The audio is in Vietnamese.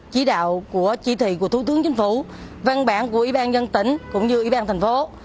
chỉ đạo của chỉ thị của thủ tướng chính phủ văn bản của ủy ban nhân tỉnh cũng như ủy ban thành phố